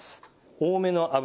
多めの油